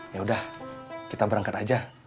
ya sudah kita berangkat saja